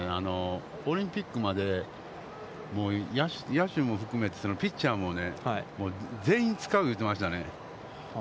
オリンピックまでもう野手も含めて、ピッチャーもね、全員使うって言ってましたね。